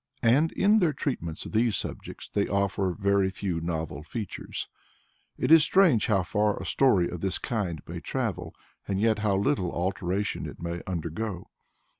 And in their treatments of these subjects they offer very few novel features. It is strange how far a story of this kind may travel, and yet how little alteration it may undergo.